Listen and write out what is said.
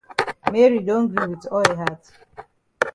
Mary don gree wit all yi heart.